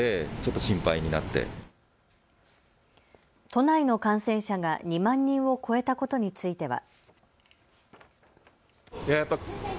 都内の感染者が２万人を超えたことについては。